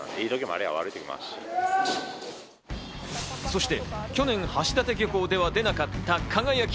そして去年、橋立漁港では出なかった「輝」。